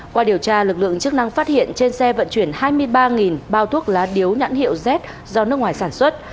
qua điều tra lực lượng chức năng phát hiện trên xe vận chuyển hai mươi ba bao thuốc lá điếu nhãn hiệu z do nước ngoài sản xuất